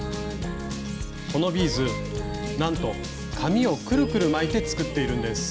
このビーズなんと紙をくるくる巻いて作っているんです。